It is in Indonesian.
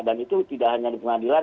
dan itu tidak hanya di pengadilan